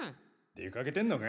出かけてんのか？